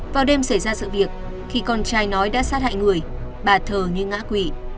vào đêm xảy ra sự việc khi con trai nói đã sát hại người bà thờ như ngã quỷ